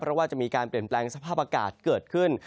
เพราะว่าจะมีการเปลี่ยนแปลงสภาพอากาศเกิดขึ้น